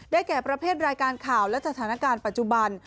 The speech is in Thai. แก่ประเภทรายการข่าวและสถานการณ์ปัจจุบัน